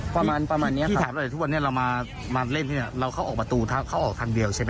ประมาณประมาณเนี้ยครับที่ถามเราเนี้ยทุกวันเนี้ยเรามามาเล่นที่เนี้ยเราเข้าออกประตูเข้าออกทางเดียวใช่ไหม